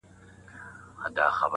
خاموسي تر ټولو قوي ځواب دی,